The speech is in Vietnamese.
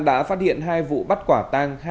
đã phát hiện hai vụ bắt quả tang